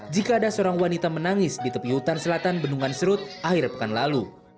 jika ada seorang wanita menangis di tepi hutan selatan bendungan serut akhir pekan lalu